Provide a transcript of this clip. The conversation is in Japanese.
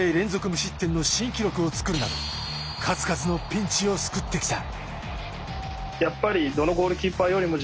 無失点の新記録を作るなど数々のピンチを救ってきた。